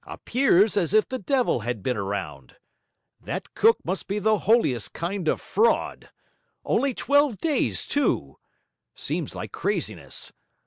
Appears as if the devil had been around. That cook must be the holiest kind of fraud. Only twelve days, too! Seems like craziness.